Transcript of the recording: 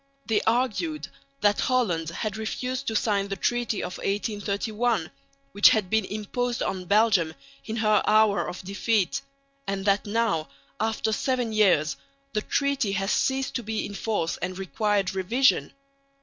They argued that Holland had refused to sign the treaty of 1831, which had been imposed on Belgium in her hour of defeat; and that now, after seven years, the treaty had ceased to be in force and required revision.